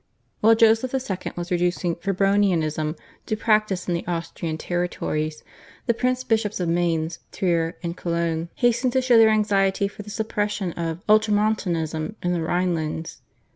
While Joseph II. was reducing Febronianism to practice in the Austrian territories, the Prince bishops of Mainz, Trier, and Cologne hastened to show their anxiety for the suppression of ultramontanism in the Rhinelands.